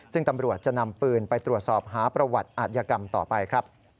ซึ่งตำรวจจะนำปืนไปตรวจสอบหาประวัติอาทยากรรมต่อไปครับ